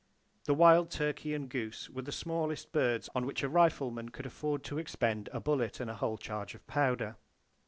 The wild turkey and goose were the smallest birds on which a rifleman could afford to expend a bullet and a whole charge of powder.